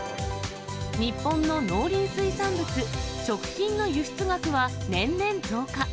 日本の農林水産物・食品の輸出額は年々増加。